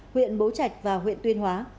huyện bố trạch và huyện tuyên hóa